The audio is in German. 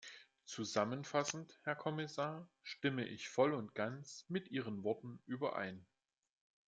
Zusammenfassend, Herr Kommissar, stimme ich voll und ganz mit Ihren Worten überein.